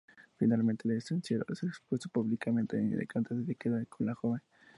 Finalmente el estanciero es expuesto públicamente y el cantante se queda con la joven.